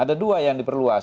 ada dua yang di perluas